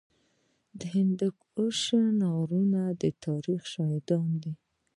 د هندوکش غرونه د تاریخ شاهدان دي